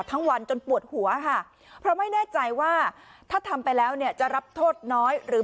วันจนปวดหัวค่ะเพราะไม่แน่ใจว่าถ้าทำไปแล้วเนี่ยจะรับโทษน้อยหรือ